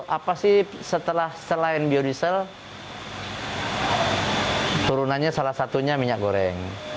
apa sih setelah selain biodiesel turunannya salah satunya minyak goreng